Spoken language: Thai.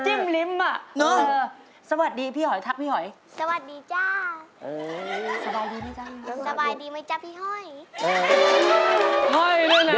ช่วยหอยซะครับไม่เคียนมาดูห้อยยังไงไม่รู้